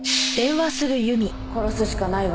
殺すしかないわ。